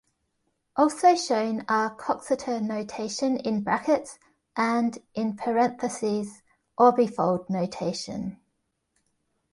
Also shown are Coxeter notation in brackets, and, in parentheses, orbifold notation.